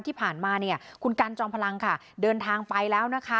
ที่ผ่านมาเนี่ยคุณกันจอมพลังค่ะเดินทางไปแล้วนะคะ